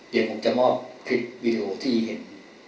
เดี๋ยวผมจะมอบคลิปวีดีโอที่เห็น